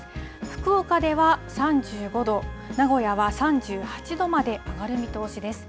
福岡では３５度、名古屋は３８度まで上がる見通しです。